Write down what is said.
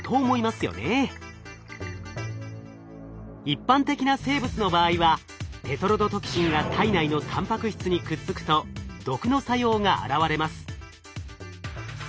一般的な生物の場合はテトロドトキシンが体内のたんぱく質にくっつくと毒の作用が現れます。